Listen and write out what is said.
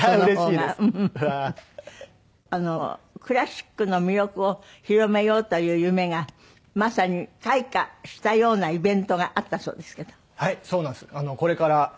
クラシックの魅力を広めようという夢がまさに開花したようなイベントがあったそうですけど。